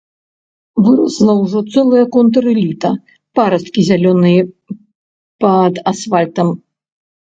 Вырасла ўжо цэлая контрэліта, парасткі зялёныя пад асфальтам.